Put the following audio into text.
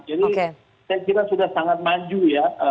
jadi saya kira sudah sangat maju ya